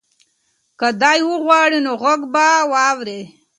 که دی وغواړي نو غږ به واوري.